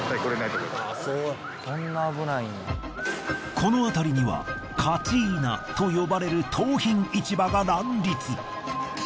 この辺りにはカチーナと呼ばれる盗品市場が乱立。